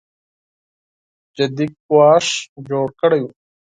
جدي ګواښ جوړ کړی و